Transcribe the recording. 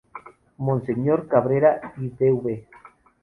Monseñor Cabrera y Bv.